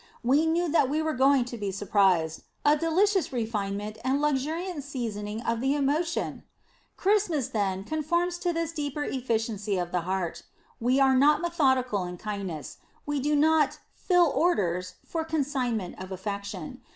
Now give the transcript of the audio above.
We knew that we were going to be surprised a delicious refinement and luxuriant seasoning of the emotion! Christmas, then, conforms to this deeper efficiency of the heart. We are not methodical in kindness; we do not "fill orders" for consignments of affection.